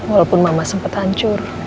walaupun mama sempat hancur